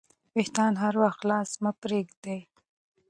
وېښتان هر وخت خلاص مه پریږدئ.